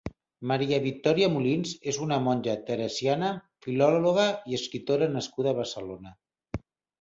Maria Victòria Molins és una monja teresiana filòloga i escriptora nascuda a Barcelona.